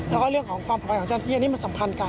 แล้วก็เรื่องของความปลอดภัยของเจ้าหน้าที่อันนี้มันสำคัญกัน